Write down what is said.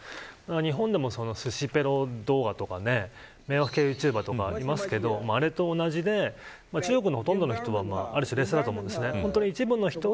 日本でもすしペロ動画とか迷惑系ユーチューバーとかいますけどあれと一緒で中国のほとんどの人は冷静だと思います。